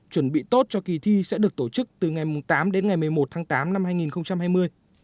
chuẩn bị tốt cho kỳ thi sẽ được tổ chức từ ngày tám đến ngày một mươi một tháng tám năm hai nghìn hai mươi